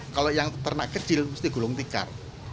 kalau yang ternak kecil mesti gulung tikar